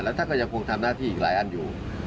แล้วถ้าเกิดอย่างคงทำหน้าที่อีกหลายอันอยู่